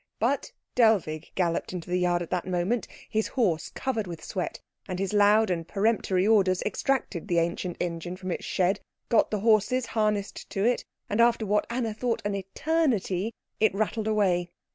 But Dellwig galloped into the yard at that moment, his horse covered with sweat, and his loud and peremptory orders extracted the ancient engine from its shed, got the horses harnessed to it, and after what Anna thought an eternity it rattled away.